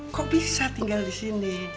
kok bisa tinggal disini